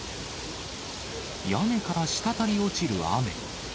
屋根から滴り落ちる雨。